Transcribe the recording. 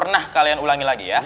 pernah kalian ulangi lagi ya